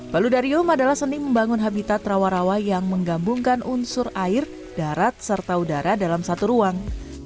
paludarium adalah seni membangun habitat rawa rawa yang menggabungkan unsur air darat serta udara dalam satu ruang